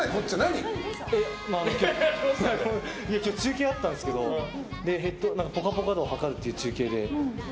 今日、中継あったんですけどぽかぽか度をはかるっていう中継で。